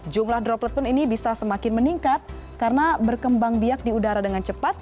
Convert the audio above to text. jumlah droplet pun ini bisa semakin meningkat karena berkembang biak di udara dengan cepat